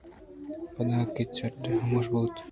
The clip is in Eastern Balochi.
پدا کہ چَٹ حامُوشی بُوت